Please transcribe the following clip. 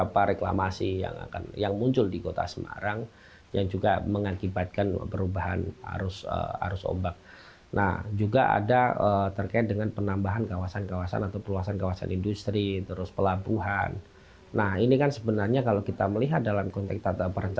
penanganan wilayah pesisir utara jawa tengah